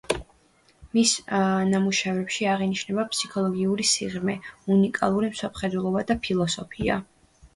მისი ნამუშევრებში აღინიშნება ფსიქოლოგიური სიღრმე, უნიკალური მსოფლმხედველობა და ფილოსოფია.